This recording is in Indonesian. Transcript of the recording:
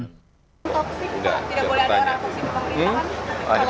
tidak boleh ada orang toksik di pemerintahan